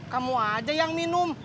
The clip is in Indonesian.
kamu aja yang minum